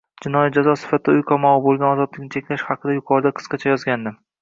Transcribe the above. Jinoiy jazo sifatida uy qamog‘i bo‘lgan ozodlikni cheklash haqida yuqorida qisqacha yozgandim.